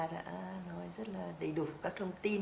đã nói rất là đầy đủ các thông tin